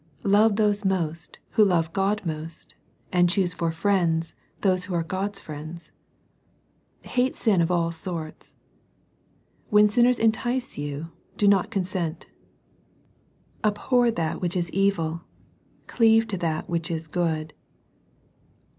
Love those most who love God most, and choose for friends those who are God's friends. Hate sin of all sorts. When sinners entice you, do not consent. Abhor that which is evil. Cleave to that which is good.